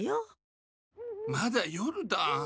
まだ夜だ。